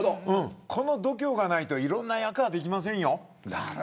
この度胸がないといろんな役はできませんよ。